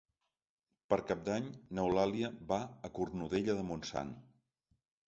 Per Cap d'Any n'Eulàlia va a Cornudella de Montsant.